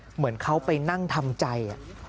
เหมือนเขาไปนั่งทำใจ